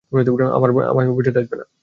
আমায় বুঝাতে আসবে না।